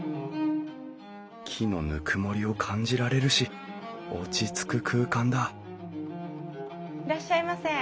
木のぬくもりを感じられるし落ち着く空間だいらっしゃいませ。